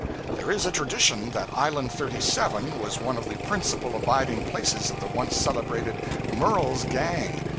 There is a tradition that Island 37 was one of the principal abiding places of the once celebrated 'Murel's Gang.'